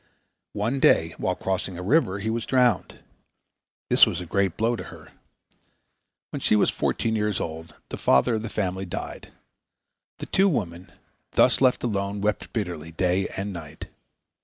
One day while crossing a river he was drowned. This was a great blow to her. When she was fourteen years old the father of the family died. The two women, thus left alone, wept bitterly day and night.